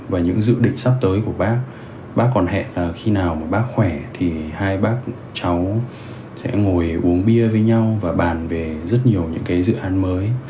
và những dự định sắp tới của bác bác còn hẹn khi nào mà bác khỏe thì hai bác cháu sẽ ngồi uống bia với nhau và bàn về rất nhiều những cái dự án mới